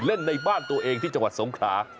เล่นในบ้านตัวเองที่จังหวัดสงขลา